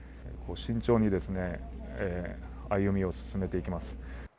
慎重に歩みを進めていきます。